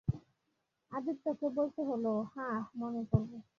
আদিত্যকে বলতে হল, হাঁ, মনে করব।